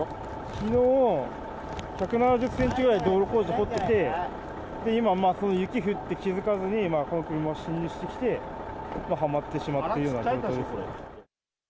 きのう、１７０センチくらい道路工事で掘ってて、今、雪降って気付かずに、この車が進入してきて、はまってしまっているような状況ですね。